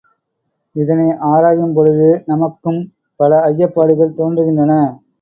இதனை ஆராயும் பொழுது நமக்கும் பல ஐயப்பாடுகள் தோன்றுகின்றன.